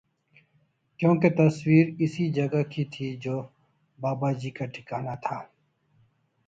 کیوں کہ تصویر اسی جگہ کی تھی جو باباجی کا ٹھکانہ تھا